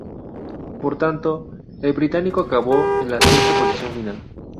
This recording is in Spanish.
Por tanto, el británico acabó en la sexta posición final.